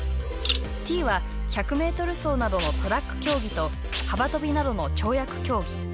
Ｔは、１００ｍ走などのトラック競技と幅跳びなどの跳躍競技。